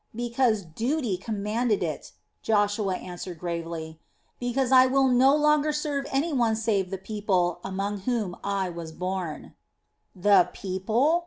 "Because duty commanded it," Joshua answered gravely, "because I will no longer serve any one save the people among whom I was born." "The people?"